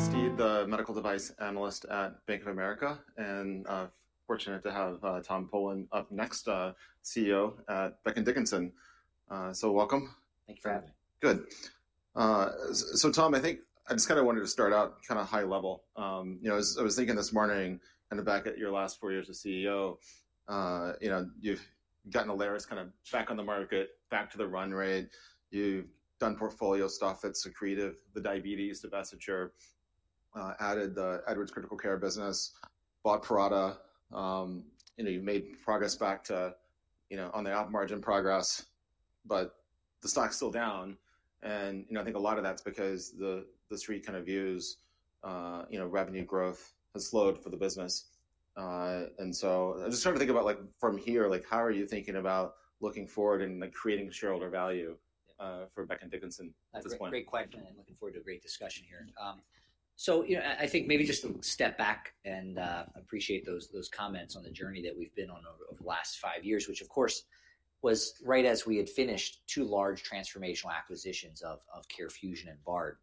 Travis Steed the Medical Device Analyst at Bank of America, and fortunate to have Tom Polen up next, CEO at Becton Dickinson. So welcome. Thank you for having me. Good. Tom, I think I just kind of wanted to start out kind of high level. I was thinking this morning kind of back at your last four years as CEO, you've gotten Alaris kind of back on the market, back to the run rate. You've done portfolio stuff that's secretive, the diabetes divestiture, added the Edwards Critical Care business, bought Prada. You made progress back to on the up margin progress, but the stock's still down. I think a lot of that's because the street kind of views revenue growth has slowed for the business. I just started to think about from here, how are you thinking about looking forward and creating shareholder value for Becton Dickinson at this point? That's a great question. I'm looking forward to a great discussion here. I think maybe just step back and appreciate those comments on the journey that we've been on over the last five years, which of course was right as we had finished two large transformational acquisitions of CareFusion and Bard.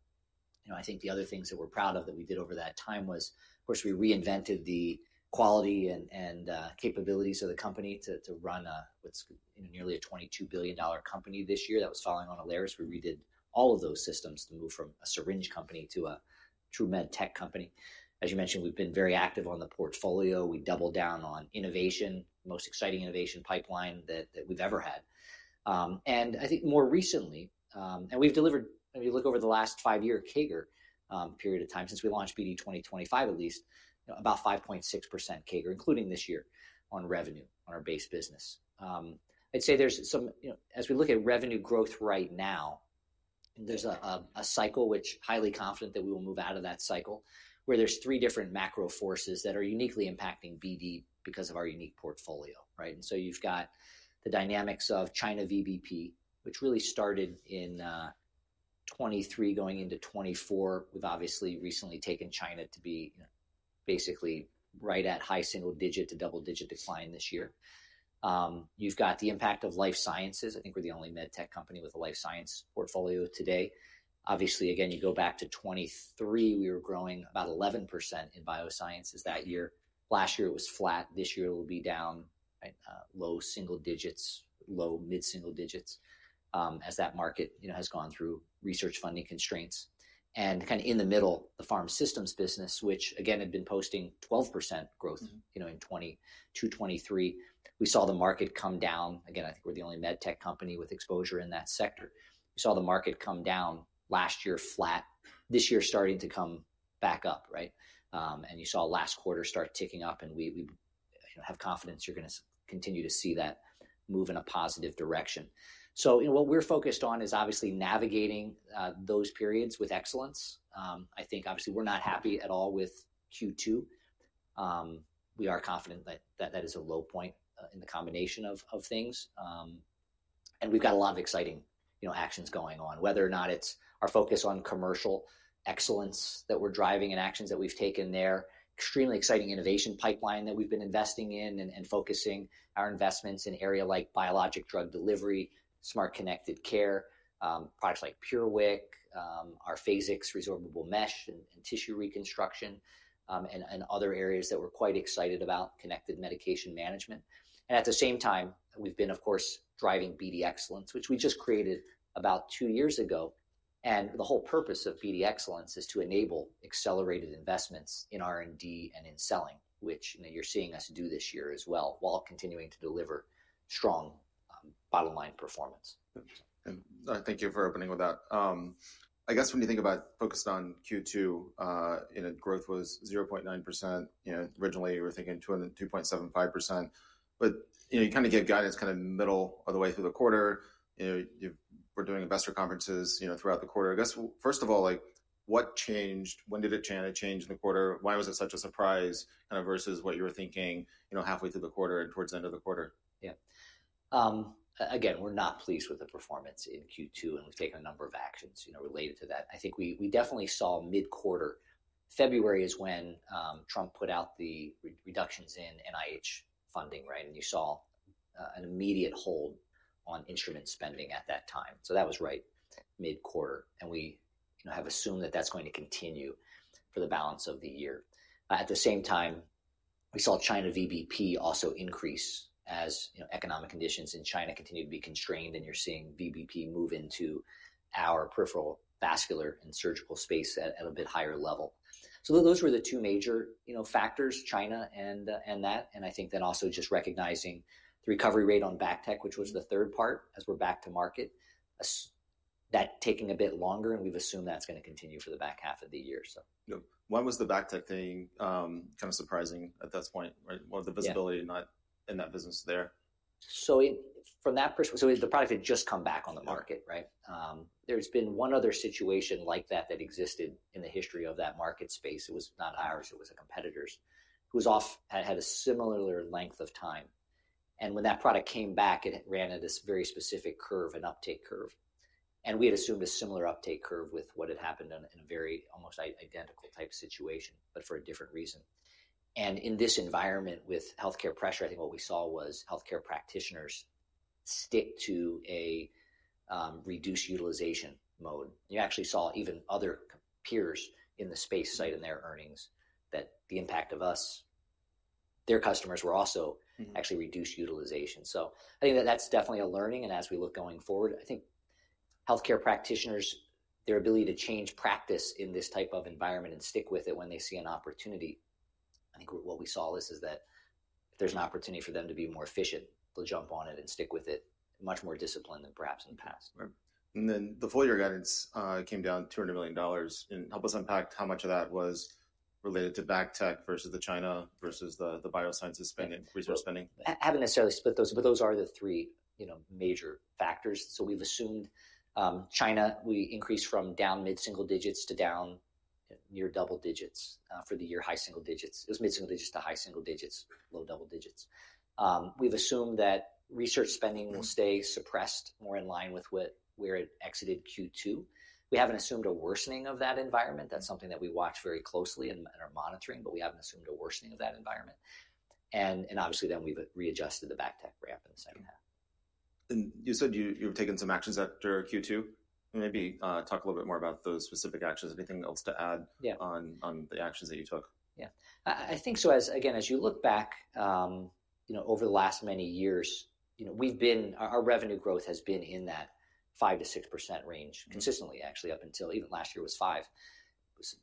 I think the other things that we're proud of that we did over that time was, of course, we reinvented the quality and capabilities of the company to run what's nearly a $22 billion company this year that was falling on Alaris. We redid all of those systems to move from a syringe company to a true medtech company. As you mentioned, we've been very active on the portfolio. We doubled down on innovation, the most exciting innovation pipeline that we've ever had. I think more recently, and we've delivered, if you look over the last five year CAGR period of time since we launched BD 2025 at least, about 5.6% CAGR, including this year on revenue on our base business. I'd say there's some, as we look at revenue growth right now, there's a cycle which highly confident that we will move out of that cycle where there's three different macro forces that are uniquely impacting BD because of our unique portfolio. You've got the dynamics of China VBP, which really started in 2023 going into 2024, we've obviously recently taken China to be basically right at high single-digit to double-digit decline this year. You've got the impact of life sciences. I think we're the only med tech company with a life science portfolio today. Obviously, again, you go back to 2023, we were growing about 11% in biosciences that year. Last year it was flat. This year it will be down, low single-digits, low mid single-digits as that market has gone through research funding constraints. In the middle, the pharma systems business, which again had been posting 12% growth in 2022, 2023. We saw the market come down. I think we're the only med tech company with exposure in that sector. We saw the market come down last year flat, this year starting to come back up. You saw last quarter start ticking up, and we have confidence you're going to continue to see that move in a positive direction. What we're focused on is obviously navigating those periods with excellence. I think obviously we're not happy at all with Q2. We are confident that that is a low point in the combination of things. We've got a lot of exciting actions going on, whether or not it's our focus on commercial excellence that we're driving and actions that we've taken there, extremely exciting innovation pipeline that we've been investing in and focusing our investments in area like biologic drug delivery, smart connected care, products like PureWick, our Phasix resorbable mesh and tissue reconstruction, and other areas that we're quite excited about, connected medication management. At the same time, we've been, of course, driving BD Excellence, which we just created about two years ago. The whole purpose of BD Excellence is to enable accelerated investments in R&D and in selling, which you're seeing us do this year as well while continuing to deliver strong bottom line performance. Thank you for opening with that. I guess when you think about focused on Q2, growth was 0.9%. Originally, we were thinking 2.75%. You kind of get guidance kind of middle of the way through the quarter. We're doing investor conferences throughout the quarter. I guess, first of all, what changed? When did it change in the quarter? Why was it such a surprise kind of versus what you were thinking halfway through the quarter and towards the end of the quarter? Yeah. Again, we're not pleased with the performance in Q2, and we've taken a number of actions related to that. I think we definitely saw mid-quarter. February is when Trump put out the reductions in NIH funding, and you saw an immediate hold on instrument spending at that time. That was right mid-quarter. We have assumed that that's going to continue for the balance of the year. At the same time, we saw China VBP also increase as economic conditions in China continue to be constrained, and you're seeing VBP move into our peripheral vascular and surgical space at a bit higher level. Those were the two major factors, China and that. I think then also just recognizing the recovery rate on BACTEC, which was the third part as we're back to market, that taking a bit longer, and we've assumed that's going to continue for the back half of the year. Why was the BACTEC thing kind of surprising at that point? What was the visibility in that business there? From that perspective, the product had just come back on the market. There's been one other situation like that that existed in the history of that market space. It was not ours. It was a competitor's who was off, had a similar length of time. When that product came back, it ran at this very specific curve, an uptake curve. We had assumed a similar uptake curve with what had happened in a very almost identical type situation, but for a different reason. In this environment with healthcare pressure, I think what we saw was healthcare practitioners stick to a reduced utilization mode. You actually saw even other peers in the space cite in their earnings that the impact of us, their customers were also actually reduced utilization. I think that that's definitely a learning. As we look going forward, I think healthcare practitioners, their ability to change practice in this type of environment and stick with it when they see an opportunity, I think what we saw is that if there's an opportunity for them to be more efficient, they'll jump on it and stick with it much more disciplined than perhaps in the past. The full-year guidance came down $200 million. Help us unpack how much of that was related to BACTEC versus China versus the biosciences spending, resource spending. I haven't necessarily split those, but those are the three major factors. We've assumed China, we increased from down mid single-digits to down near double-digits for the year, high single-digits. It was mid single-digits to high single-digits, low double-digits. We've assumed that research spending will stay suppressed more in line with where it exited Q2. We haven't assumed a worsening of that environment. That's something that we watch very closely and are monitoring, but we haven't assumed a worsening of that environment. Obviously, then we've readjusted the back tech ramp in the second half. You said you've taken some actions after Q2. Maybe talk a little bit more about those specific actions. Anything else to add on the actions that you took? Yeah. I think so. Again, as you look back over the last many years, our revenue growth has been in that 5%-6% range consistently, actually, up until even last year was five,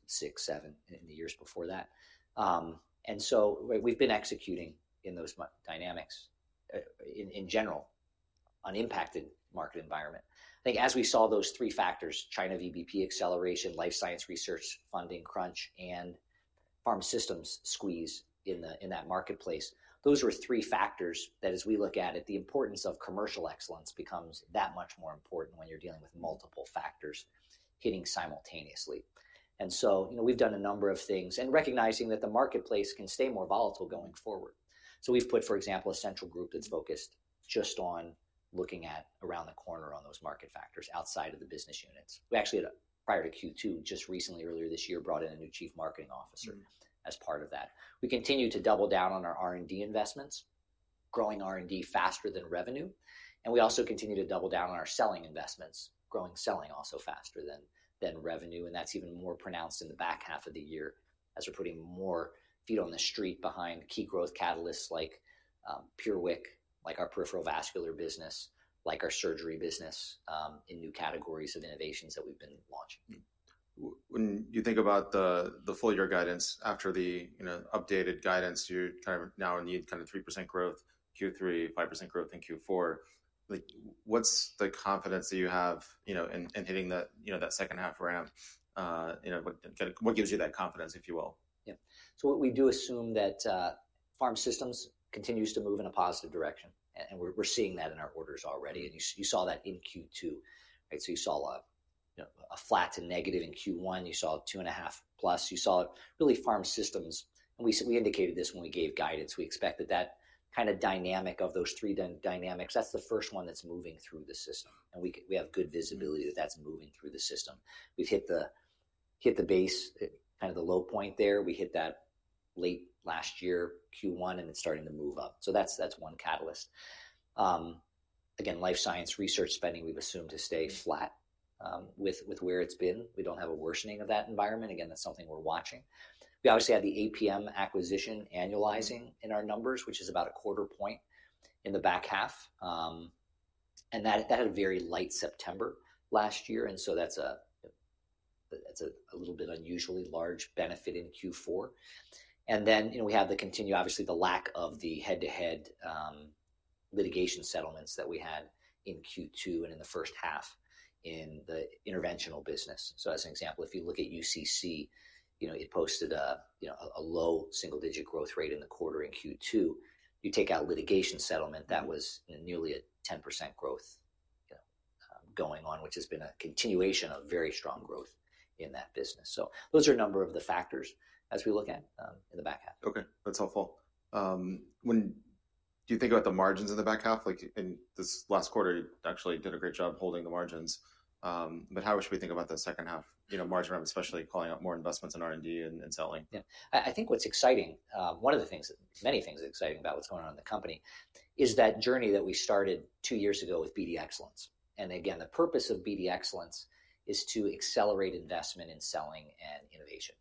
six, seven in the years before that. And so we've been executing in those dynamics in general on impacted market environment. I think as we saw those three factors, China VBP acceleration, life science research funding crunch, and pharma systems squeeze in that marketplace, those were three factors that as we look at it, the importance of commercial excellence becomes that much more important when you're dealing with multiple factors hitting simultaneously. And so we've done a number of things and recognizing that the marketplace can stay more volatile going forward. We have put, for example, a central group that is focused just on looking at around the corner on those market factors outside of the business units. We actually, prior to Q2, just recently, earlier this year, brought in a new Chief Marketing Officer as part of that. We continue to double down on our R&D investments, growing R&D faster than revenue. We also continue to double down on our selling investments, growing selling also faster than revenue. That is even more pronounced in the back half of the year as we are putting more feet on the street behind key growth catalysts like PureWick, like our peripheral vascular business, like our surgery business in new categories of innovations that we have been launching. When you think about the full-year guidance after the updated guidance, you kind of now need kind of 3% growth, Q3, 5% growth in Q4. What's the confidence that you have in hitting that second half ramp? What gives you that confidence, if you will? Yeah. What we do assume is that pharma systems continues to move in a positive direction. We're seeing that in our orders already. You saw that in Q2. You saw a flat to negative in Q1. You saw two and a half plus. You saw it really in pharma systems. We indicated this when we gave guidance. We expect that kind of dynamic, of those three dynamics, that's the first one that's moving through the system. We have good visibility that that's moving through the system. We've hit the base, kind of the low point there. We hit that late last year, Q1, and it's starting to move up. That's one catalyst. Again, life science research spending, we've assumed to stay flat with where it's been. We don't have a worsening of that environment. Again, that's something we're watching. We obviously had the APM acquisition annualizing in our numbers, which is about a quarter point in the back half. That had a very light September last year. That is a little bit unusually large benefit in Q4. We have the continue, obviously, the lack of the head-to-head litigation settlements that we had in Q2 and in the first half in the interventional business. As an example, if you look at UCC, it posted a low single-digit growth rate in the quarter in Q2. You take out litigation settlement, that was nearly a 10% growth going on, which has been a continuation of very strong growth in that business. Those are a number of the factors as we look at in the back half. Okay. That's helpful. When do you think about the margins in the back half? In this last quarter, you actually did a great job holding the margins. How should we think about the second half? Margin ramp, especially calling out more investments in R&D and selling. Yeah. I think what's exciting, one of the things, many things exciting about what's going on in the company is that journey that we started two years ago with BD Excellence. Again, the purpose of BD Excellence is to accelerate investment in selling and innovation.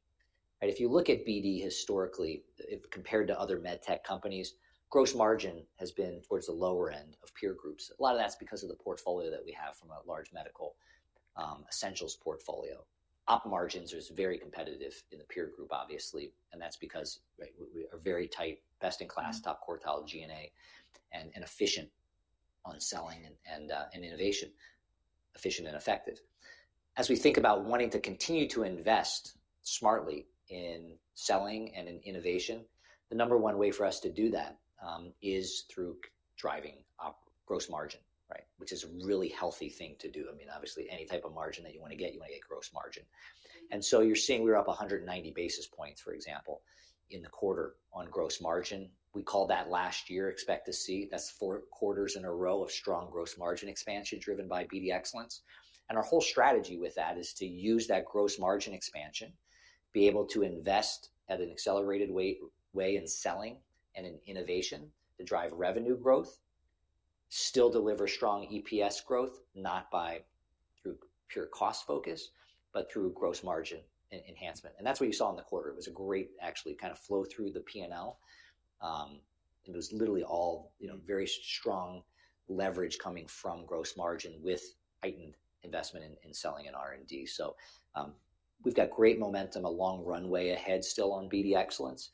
If you look at BD historically, compared to other medtech companies, gross margin has been towards the lower end of peer groups. A lot of that's because of the portfolio that we have from a large medical essentials portfolio. Op margins are very competitive in the peer group, obviously. That's because we are very tight, best in class, top quartile G&A and efficient on selling and innovation, efficient and effective. As we think about wanting to continue to invest smartly in selling and in innovation, the number one way for us to do that is through driving gross margin, which is a really healthy thing to do. I mean, obviously, any type of margin that you want to get, you want to get gross margin. You're seeing we're up 190 basis points, for example, in the quarter on gross margin. We called that last year, expect to see that's four quarters in a row of strong gross margin expansion driven by BD Excellence. Our whole strategy with that is to use that gross margin expansion, be able to invest at an accelerated way in selling and in innovation to drive revenue growth, still deliver strong EPS growth, not by through pure cost focus, but through gross margin enhancement. That's what you saw in the quarter. It was a great actually kind of flow through the P&L. It was literally all very strong leverage coming from gross margin with heightened investment in selling and R&D. We've got great momentum, a long runway ahead still on BD Excellence.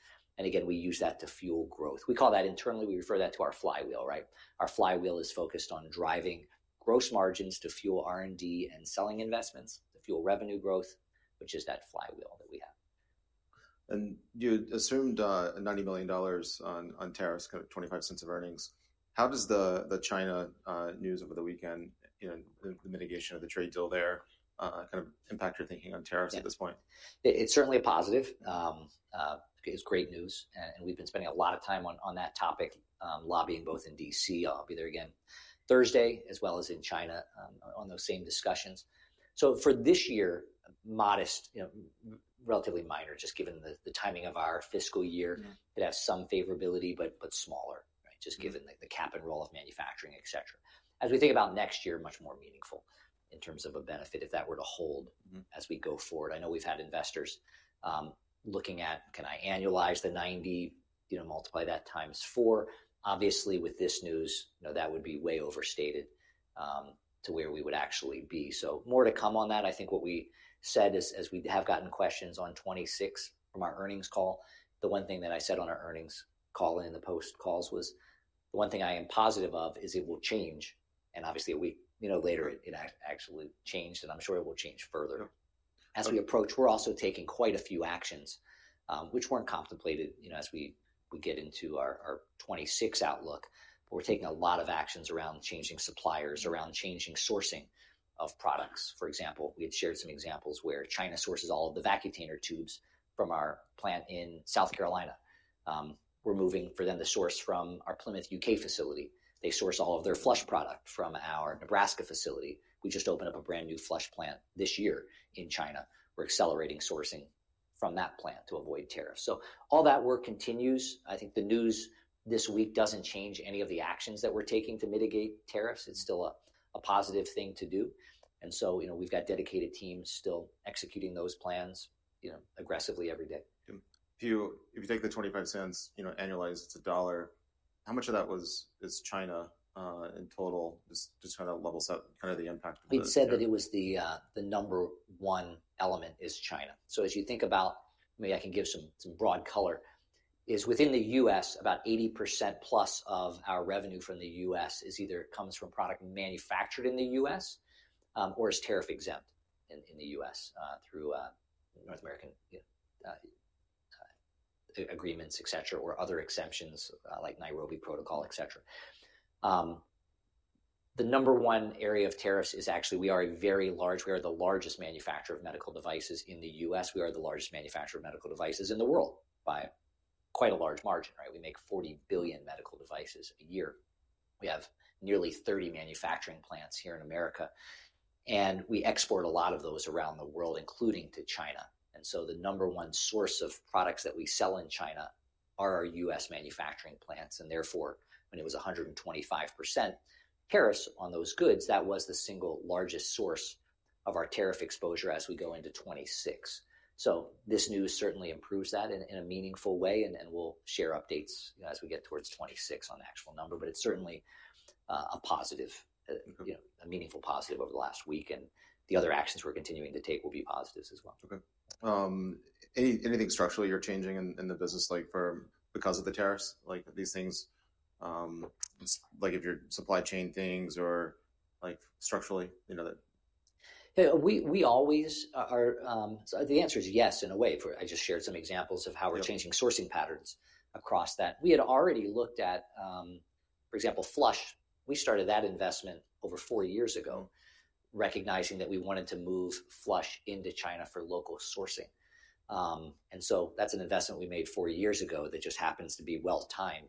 We use that to fuel growth. We call that internally, we refer that to our flywheel. Our flywheel is focused on driving gross margins to fuel R&D and selling investments, to fuel revenue growth, which is that flywheel that we have. You assumed $90 million on tariffs, kind of 25% of earnings. How does the China news over the weekend, the mitigation of the trade deal there, kind of impact your thinking on tariffs at this point? It's certainly a positive. It's great news. We've been spending a lot of time on that topic, lobbying both in D.C., I'll be there again Thursday, as well as in China on those same discussions. For this year, modest, relatively minor, just given the timing of our fiscal year, it has some favorability, but smaller, just given the cap and roll of manufacturing, etc. As we think about next year, much more meaningful in terms of a benefit if that were to hold as we go forward. I know we've had investors looking at, can I annualize the 90, multiply that times four. Obviously, with this news, that would be way overstated to where we would actually be. More to come on that. I think what we said is as we have gotten questions on 2026 from our earnings call, the one thing that I said on our earnings call and in the post calls was the one thing I am positive of is it will change. Obviously, a week later, it actually changed, and I'm sure it will change further. As we approach, we're also taking quite a few actions, which were not contemplated as we get into our 2026 outlook. We're taking a lot of actions around changing suppliers, around changing sourcing of products. For example, we had shared some examples where China sources all of the vacuum tubes from our plant in South Carolina. We're moving for them to source from our Plymouth, U.K. facility. They source all of their flush product from our Nebraska facility. We just opened up a brand new flush plant this year in China. We're accelerating sourcing from that plant to avoid tariffs. All that work continues. I think the news this week doesn't change any of the actions that we're taking to mitigate tariffs. It's still a positive thing to do. We've got dedicated teams still executing those plans aggressively every day. If you take the 20% annualized to dollar. How much of that was China in total? Just kind of levels out kind of the impact. We said that it was the number one element is China. As you think about, maybe I can give some broad color, within the U.S., about 80%+ of our revenue from the U.S. either comes from product manufactured in the U.S. or is tariff exempt in the U.S. through North American agreements, et cetera, or other exemptions like Nairobi Protocol, et cetera. The number one area of tariffs is actually we are a very large, we are the largest manufacturer of medical devices in the U.S. We are the largest manufacturer of medical devices in the world by quite a large margin. We make 40 billion medical devices a year. We have nearly 30 manufacturing plants here in America. We export a lot of those around the world, including to China. The number one source of products that we sell in China are our U.S. manufacturing plants. Therefore, when it was 125% tariffs on those goods, that was the single largest source of our tariff exposure as we go into 2026. This news certainly improves that in a meaningful way. We will share updates as we get towards 2026 on the actual number. It is certainly a positive, a meaningful positive over the last week. The other actions we are continuing to take will be positives as well. Okay. Anything structurally you're changing in the business like firm because of the tariffs? Like these things, like if you're supply chain things or structurally? We always are. The answer is yes in a way. I just shared some examples of how we're changing sourcing patterns across that. We had already looked at, for example, Flush. We started that investment over four years ago, recognizing that we wanted to move Flush into China for local sourcing. That is an investment we made four years ago that just happens to be well timed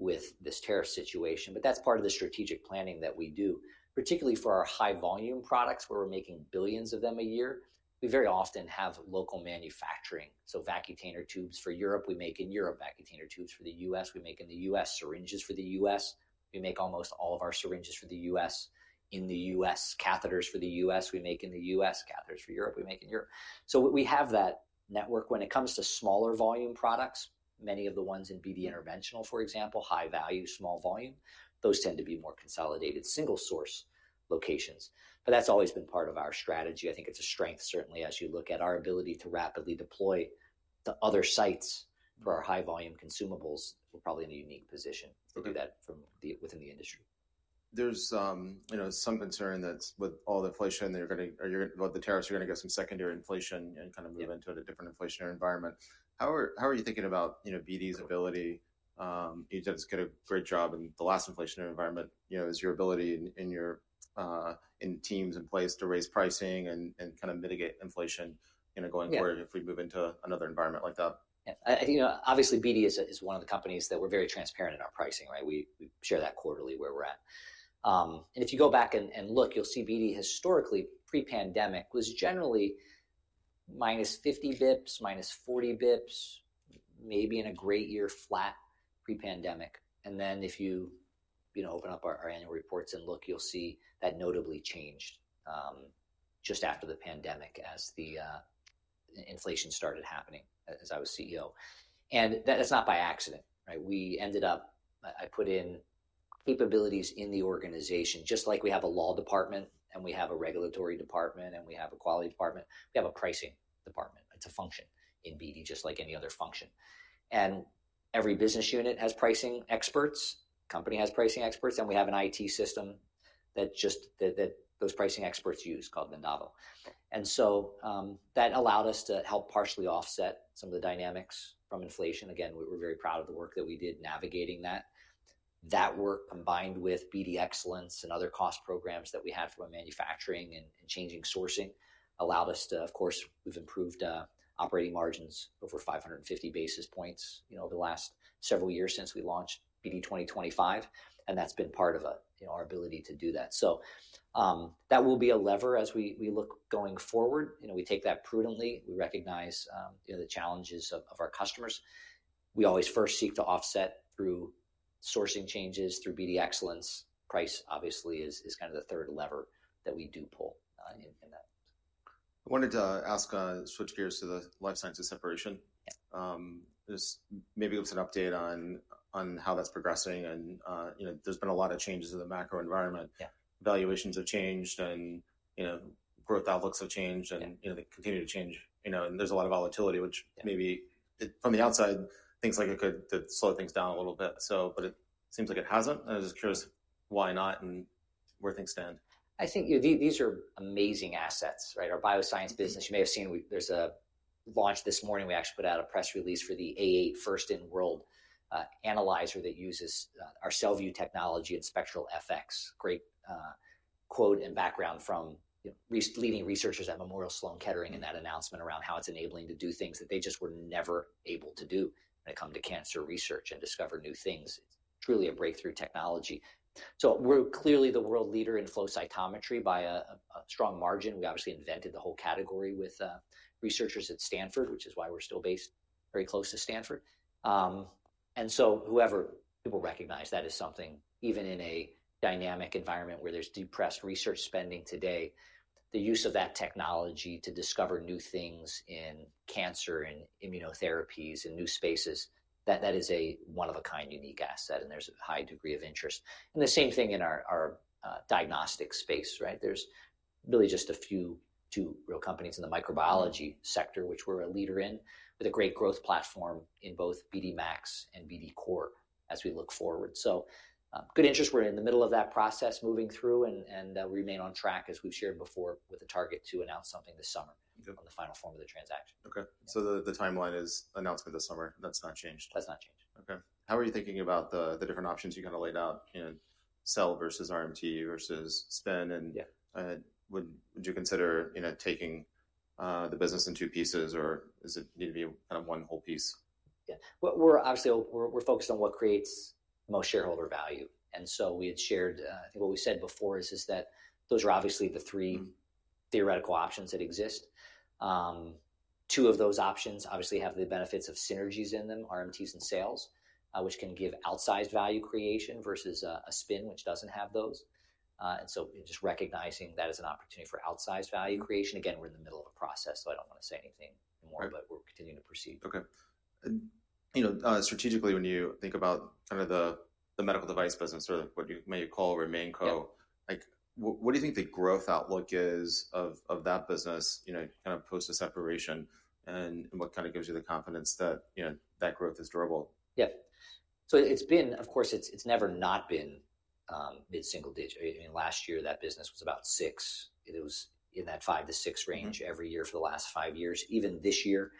with this tariff situation. That is part of the strategic planning that we do, particularly for our high volume products where we're making billions of them a year. We very often have local manufacturing. Vacuum tubes for Europe, we make in Europe. Vacuum tubes for the U.S., we make in the U.S., Syringes for the U.S., we make almost all of our syringes for the U.S. in the U.S., Catheters for the U.S., we make in the U.S. Catheters for Europe, we make in Europe. We have that network. When it comes to smaller volume products, many of the ones in BD Interventional, for example, high value, small volume, those tend to be more consolidated single source locations. That has always been part of our strategy. I think it is a strength, certainly, as you look at our ability to rapidly deploy to other sites for our high volume consumables. We are probably in a unique position to do that within the industry. There's some concern that with all the inflation, you're going to, with the tariffs, you're going to get some secondary inflation and kind of move into a different inflationary environment. How are you thinking about BD's ability? You said it's got a great job in the last inflationary environment. Is your ability in teams in place to raise pricing and kind of mitigate inflation going forward if we move into another environment like that? Yes. Obviously, BD is one of the companies that we're very transparent in our pricing. We share that quarterly where we're at. If you go back and look, you'll see BD historically, pre-pandemic, was generally minus 50 beeps, minus 40 beeps, maybe in a great year flat pre-pandemic. If you open up our annual reports and look, you'll see that notably changed just after the pandemic as the inflation started happening as I was CEO. That's not by accident. I ended up, I put in capabilities in the organization, just like we have a law department and we have a regulatory department and we have a quality department. We have a pricing department. It's a function in BD, just like any other function. Every business unit has pricing experts, the company has pricing experts, and we have an IT system that those pricing experts use called the Novel. That allowed us to help partially offset some of the dynamics from inflation. Again, we're very proud of the work that we did navigating that. That work combined with BD Excellence and other cost programs that we had from manufacturing and changing sourcing allowed us to, of course, we've improved operating margins over 550 basis points over the last several years since we launched BD 2025. That's been part of our ability to do that. That will be a lever as we look going forward. We take that prudently. We recognize the challenges of our customers. We always first seek to offset through sourcing changes, through BD Excellence. Price, obviously, is kind of the third lever that we do pull in that. I wanted to ask, switch gears to the life sciences separation. Maybe give us an update on how that's progressing. There's been a lot of changes in the macro environment. Valuations have changed and growth outlooks have changed and they continue to change. There's a lot of volatility, which maybe from the outside, seems like it could slow things down a little bit. It seems like it hasn't. I was just curious why not and where things stand. I think these are amazing assets. Our bioscience business, you may have seen there's a launch this morning. We actually put out a press release for the A8 first-in-world analyzer that uses our CellView technology and SpectralFX. Great quote and background from leading researchers at Memorial Sloan Kettering in that announcement around how it's enabling to do things that they just were never able to do when it comes to cancer research and discover new things. It's truly a breakthrough technology. We are clearly the world leader in flow cytometry by a strong margin. We obviously invented the whole category with researchers at Stanford, which is why we're still based very close to Stanford. Whoever, people recognize that is something even in a dynamic environment where there's depressed research spending today, the use of that technology to discover new things in cancer and immunotherapies and new spaces, that is a one-of-a-kind unique asset. There's a high degree of interest. The same thing in our diagnostic space. There's really just a few, two real companies in the microbiology sector, which we're a leader in, with a great growth platform in both BD MAX and BD COR as we look forward. Good interest. We're in the middle of that process moving through and remain on track as we've shared before with a target to announce something this summer on the final form of the transaction. Okay. So the timeline is announcement this summer. That's not changed. That's not changed. Okay. How are you thinking about the different options you kind of laid out, Cell versus RMT versus Spin? And would you consider taking the business in two pieces or does it need to be kind of one whole piece? Yeah. We're obviously focused on what creates the most shareholder value. I think what we said before is that those are obviously the three theoretical options that exist. Two of those options obviously have the benefits of synergies in them, RMTs and sales, which can give outsized value creation versus a Spin which does not have those. Just recognizing that as an opportunity for outsized value creation. Again, we're in the middle of a process, so I do not want to say anything more, but we're continuing to proceed. Okay. Strategically, when you think about kind of the medical device business or what you may call remain COR, what do you think the growth outlook is of that business kind of post the separation and what kind of gives you the confidence that that growth is durable? Yeah. So it's been, of course, it's never not been mid-single digit. Last year, that business was about 6%. It was in that 5%-6% range every year for the last five years. Even this year,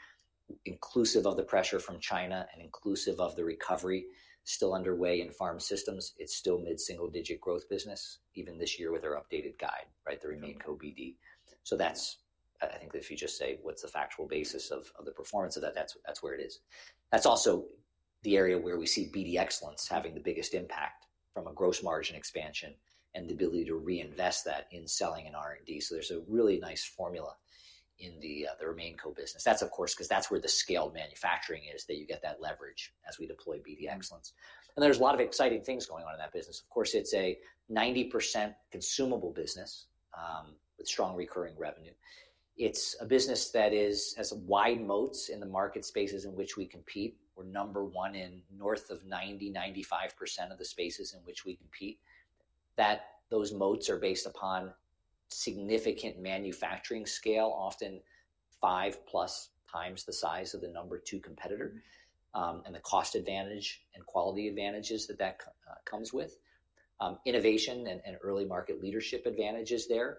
inclusive of the pressure from China and inclusive of the recovery still underway in pharma systems, it's still mid-single digit growth business, even this year with our updated guide, the remain COR BD. So that's, I think if you just say what's the factual basis of the performance of that, that's where it is. That's also the area where we see BD Excellence having the biggest impact from a gross margin expansion and the ability to reinvest that in selling and R&D. So there's a really nice formula in the remain COR business. That's, of course, because that's where the scaled manufacturing is that you get that leverage as we deploy BD Excellence. There is a lot of exciting things going on in that business. Of course, it is a 90% consumable business with strong recurring revenue. It is a business that has wide moats in the market spaces in which we compete. We are number one in north of 90%-95% of the spaces in which we compete. Those moats are based upon significant manufacturing scale, often five-plus times the size of the number two competitor and the cost advantage and quality advantages that that comes with. Innovation and early market leadership advantages there.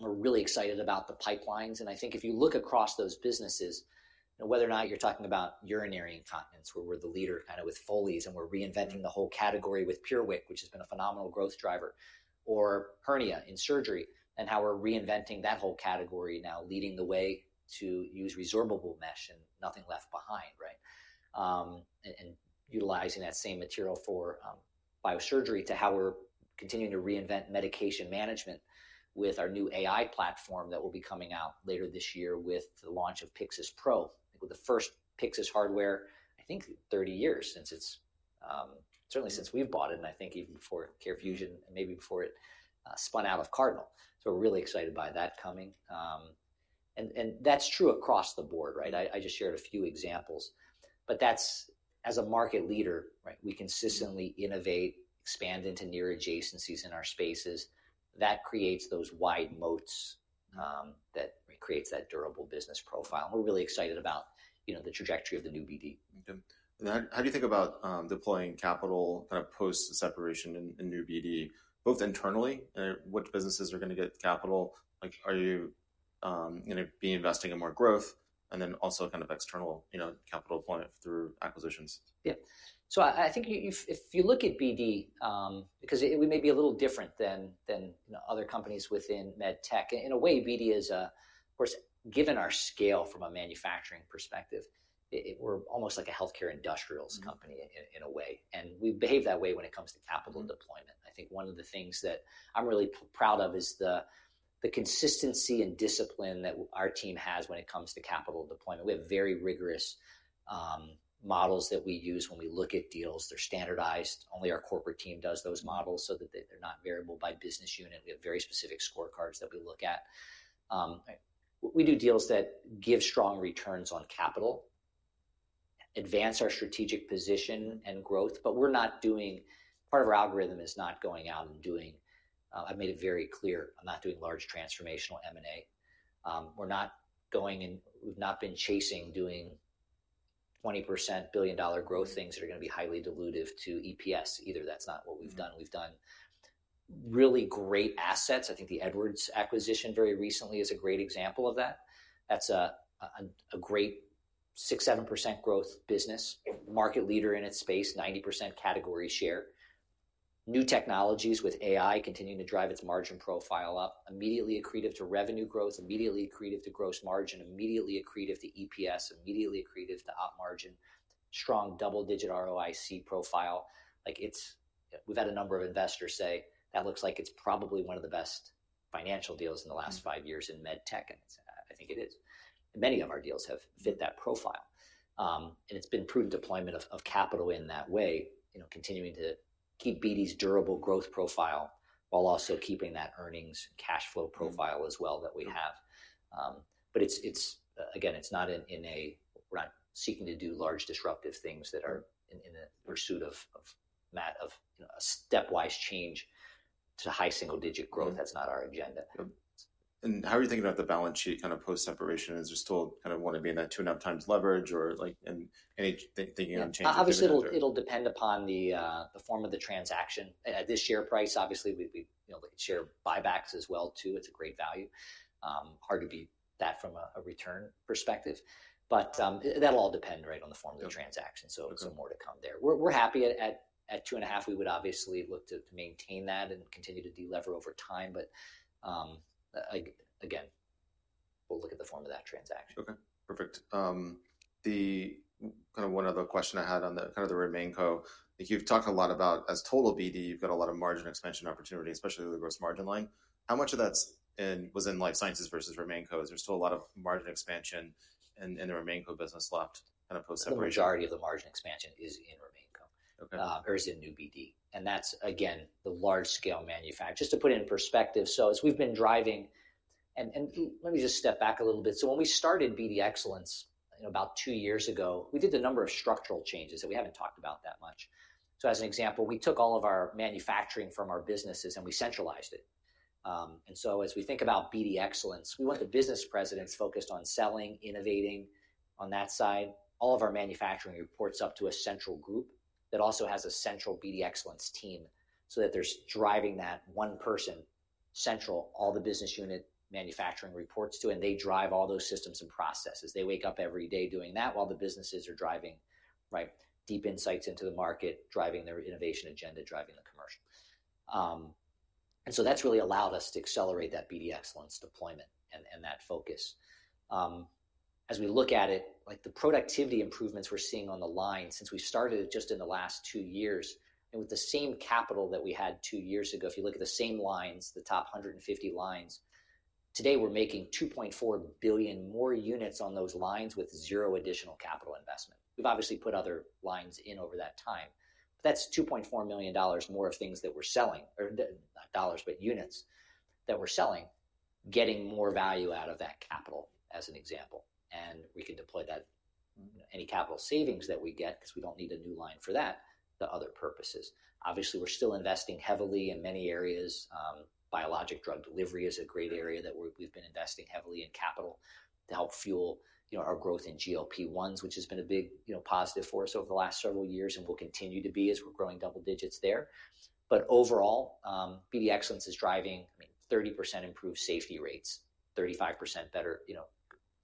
We are really excited about the pipelines. I think if you look across those businesses, whether or not you're talking about urinary incontinence, where we're the leader kind of with Foleys and we're reinventing the whole category with PureWick, which has been a phenomenal growth driver, or hernia in surgery and how we're reinventing that whole category now, leading the way to use resorbable mesh and nothing left behind. Utilizing that same material for biosurgery to how we're continuing to reinvent medication management with our new AI platform that will be coming out later this year with the launch of Pyxis Pro, with the first Pyxis hardware, I think 30 years since it's certainly since we've bought it, and I think even before CareFusion and maybe before it spun out of Cardinal. We're really excited by that coming. That's true across the board. I just shared a few examples. As a market leader, we consistently innovate, expand into near adjacencies in our spaces. That creates those wide moats that creates that durable business profile. We are really excited about the trajectory of the new BD. Okay. How do you think about deploying capital kind of post-separation in new BD, both internally, what businesses are going to get capital, are you going to be investing in more growth, and then also kind of external capital deployment through acquisitions? Yeah. I think if you look at BD, because we may be a little different than other companies within medtech, in a way, BD is, of course, given our scale from a manufacturing perspective, we're almost like a healthcare industrials company in a way. We behave that way when it comes to capital deployment. I think one of the things that I'm really proud of is the consistency and discipline that our team has when it comes to capital deployment. We have very rigorous models that we use when we look at deals. They're standardized. Only our corporate team does those models so that they're not variable by business unit. We have very specific scorecards that we look at. We do deals that give strong returns on capital, advance our strategic position and growth, but we're not doing part of our algorithm is not going out and doing I've made it very clear. I'm not doing large transformational M&A. We're not going and we've not been chasing doing 20% billion dollar growth things that are going to be highly dilutive to EPS. Either that's not what we've done. We've done really great assets. I think the Edwards acquisition very recently is a great example of that. That's a great 6%-7% growth business, market leader in its space, 90% category share. New technologies with AI continuing to drive its margin profile up, immediately accretive to revenue growth, immediately accretive to gross margin, immediately accretive to EPS, immediately accretive to op margin, strong double-digit ROIC profile. We've had a number of investors say that looks like it's probably one of the best financial deals in the last five years in medtech. I think it is. Many of our deals have fit that profile. It's been prudent deployment of capital in that way, continuing to keep BD's durable growth profile while also keeping that earnings cash flow profile as well that we have. Again, it's not in a we're not seeking to do large disruptive things that are in the pursuit of a stepwise change to high single-digit growth. That's not our agenda. How are you thinking about the balance sheet kind of post-separation? Is there still kind of want to be in that two and a half times leverage or thinking of changing? Obviously, it'll depend upon the form of the transaction. At this share price, obviously, we'd share buybacks as well too. It's a great value. Hard to beat that from a return perspective. That'll all depend on the form of the transaction. More to come there. We're happy at two and a half. We would obviously look to maintain that and continue to delever over time. Again, we'll look at the form of that transaction. Okay. Perfect. Kind of one other question I had on kind of the remain COR. You've talked a lot about as total BD, you've got a lot of margin expansion opportunity, especially the gross margin line. How much of that was in life sciences versus remain COR? Is there still a lot of margin expansion in the remain COR business left kind of post-separation? The majority of the margin expansion is in remain COR or is in new BD. That's, again, the large scale manufacturer. Just to put it in perspective, as we've been driving, and let me just step back a little bit. When we started BD Excellence about two years ago, we did a number of structural changes that we haven't talked about that much. As an example, we took all of our manufacturing from our businesses and we centralized it. As we think about BD Excellence, we want the business presidents focused on selling, innovating on that side. All of our manufacturing reports up to a central group that also has a central BD Excellence team so that there's driving that one person central, all the business unit manufacturing reports to, and they drive all those systems and processes. They wake up every day doing that while the businesses are driving deep insights into the market, driving their innovation agenda, driving the commercial. That has really allowed us to accelerate that BD Excellence deployment and that focus. As we look at it, the productivity improvements we're seeing on the line since we started just in the last two years and with the same capital that we had two years ago, if you look at the same lines, the top 150 lines, today we're making 2.4 billion more units on those lines with zero additional capital investment. We've obviously put other lines in over that time. That's $2.4 million more units that we're selling, not dollars, but units that we're selling, getting more value out of that capital, as an example. We can deploy that, any capital savings that we get because we do not need a new line for that, to other purposes. Obviously, we are still investing heavily in many areas. Biologic drug delivery is a great area that we have been investing heavily in capital to help fuel our growth in GLP-1s, which has been a big positive for us over the last several years and will continue to be as we are growing double-digits there. Overall, BD Excellence is driving 30% improved safety rates, 35% better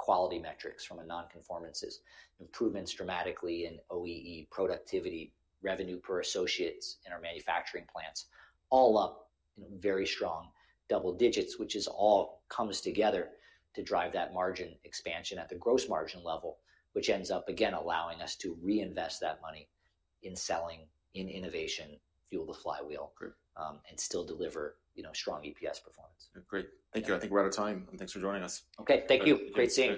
quality metrics from non-conformances, improvements dramatically in OEE productivity, revenue per associate in our manufacturing plants, all up in very strong double-digits, which all comes together to drive that margin expansion at the gross margin level, which ends up, again, allowing us to reinvest that money in selling, in innovation, fuel the flywheel, and still deliver strong EPS performance. Great. Thank you. I think we're out of time. Thanks for joining us. Okay. Thank you. Great seeing you.